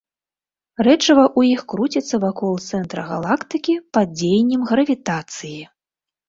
Рэчыва ў іх круціцца вакол цэнтра галактыкі пад дзеяннем гравітацыі.